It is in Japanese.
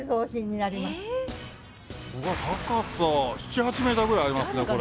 高さ７８ｍぐらいありますねこれ。